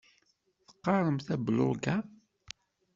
Teqqaremt ablug-a?